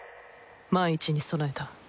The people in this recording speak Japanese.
万一に備えた。